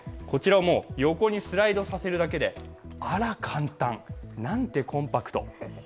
横にスライドさせるだけで、あら簡単。なんてコンパクト。